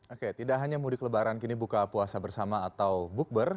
oke tidak hanya mudik lebaran kini buka puasa bersama atau bukber